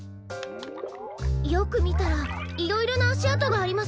よくみたらいろいろなあしあとがあります。